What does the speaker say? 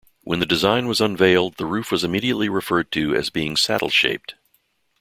When the design was unveiled, the roof was immediately referred to as being saddle-shaped.